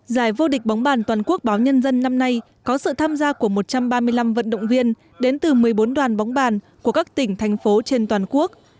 giải vô địch bóng bàn toàn quốc báo nhân dân năm nay có sự tham gia của một trăm ba mươi năm vận động viên đến từ một mươi bốn đoàn bóng bàn của các tỉnh thành phố trên toàn quốc